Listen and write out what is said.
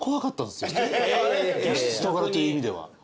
人柄という意味では。